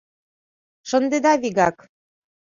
Шындеда вигак.